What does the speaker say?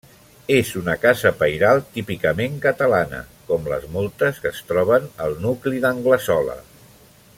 És una casa pairal típicament catalana, com les moltes que es troben al nucli d'Anglesola.